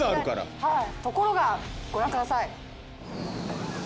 ところがご覧ください。